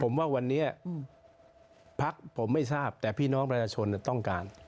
ผมว่าวันนี้พักผมไม่ทราบแต่พี่น้องประชาชนต้องการ